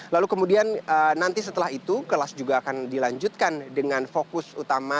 lalu kemudian nanti setelah itu kelas juga akan dilanjutkan dengan fokus utama